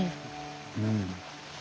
うん。